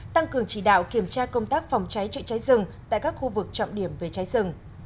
tăng cường chỉ đạo kiểm tra công tác phòng cháy chữa cháy rừng tại các khu vực trọng điểm về cháy rừng